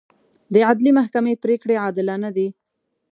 د عدلي محکمې پرېکړې عادلانه دي.